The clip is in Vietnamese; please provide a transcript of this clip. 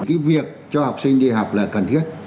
cái việc cho học sinh đi học là cần thiết